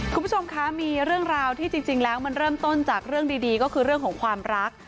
คุณผู้ชมคะมีเรื่องราวที่จริงแล้วมันเริ่มต้นจากเรื่องดีก็คือเรื่องของความรัก